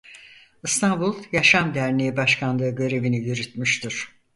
İstanbul Yaşam Derneği Başkanlığı görevini yürütmüştür.